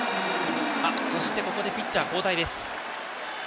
ここでピッチャー交代です。